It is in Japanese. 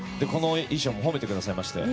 衣装も褒めてくださいまして。